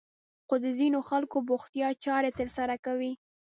خو د ځينې خلکو بوختيا چارې ترسره کوي.